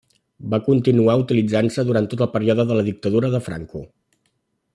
Va continuar utilitzant-se durant tot el període de la dictadura de Franco.